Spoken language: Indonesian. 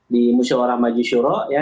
di musuh warah majusura ya